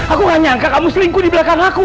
aku gak nyangka kamu selingkuh di belakang aku